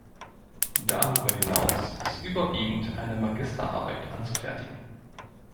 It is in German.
Darüber hinaus ist überwiegend eine Magisterarbeit anzufertigen.